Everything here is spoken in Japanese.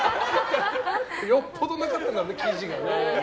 よっぽどなかったんだろうね記事が。